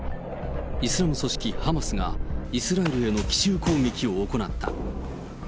イスラム組織ハマスがイスラエルへの奇襲攻撃を行った。